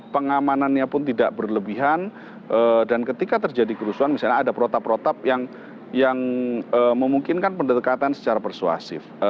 pengamanannya pun tidak berlebihan dan ketika terjadi kerusuhan misalnya ada protap protap yang memungkinkan pendekatan secara persuasif